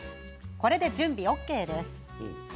これで準備ＯＫです。